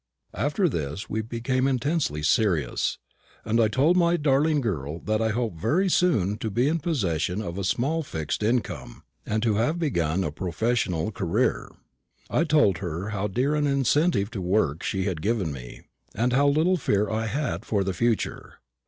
After this we became intensely serious, and I told my darling girl that I hoped very soon to be in possession of a small fixed income, and to have begun a professional career. I told her how dear an incentive to work she had given me, and how little fear I had for the future.